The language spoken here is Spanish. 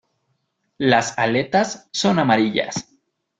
Las aletas son amarillas.